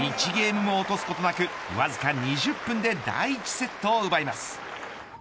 ゲームも落とすことなくわずか２０分で第１セットを奪います。